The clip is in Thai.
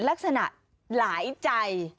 ลักษณะหลายใจ